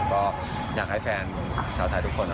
ก็อยากให้แฟนชาวไทยทุกคน